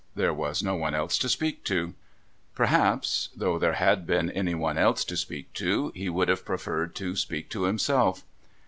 There was no one else to speak to. Perhaps, though there had been any one else to speak to, he would have preferred to speak to himself.